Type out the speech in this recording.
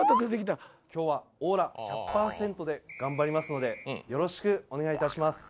今日はオーラ１００％で頑張りますのでよろしくお願いいたします